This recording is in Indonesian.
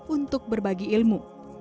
untuk berbagi ilmu